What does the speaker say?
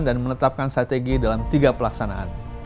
menetapkan strategi dalam tiga pelaksanaan